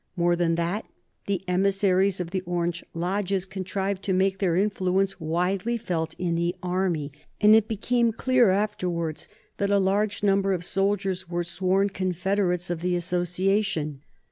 More than that, the emissaries of the Orange lodges contrived to make their influence widely felt in the Army, and it became clear afterwards that a large number of soldiers were sworn confederates of the association.